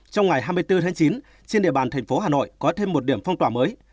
trong ngày hai mươi bốn tháng chín trên địa bàn thành phố hà nội có thêm một điểm phong tỏa mới